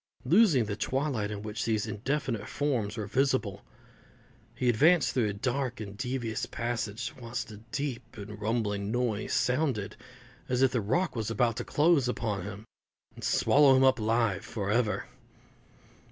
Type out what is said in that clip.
Losing the twilight in which these indefinite forms were visible, he advanced through a dark and devious passage, whilst a deep and rumbling noise sounded as if the rock was about to close upon him, and swallow him up alive for ever.